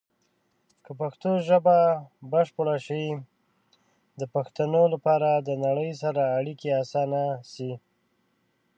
که پښتو ژبه بشپړه شي، د پښتنو لپاره د نړۍ سره اړیکې اسانه شي.